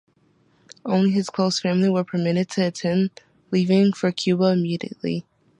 Only his close family were permitted to attend, leaving for Cuba immediately after.